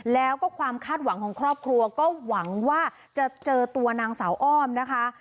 แล้วก็ความคาดหวังของครอบครัวก็หวังว่าจะเจอตัวนางสาวอ้อมนะคะ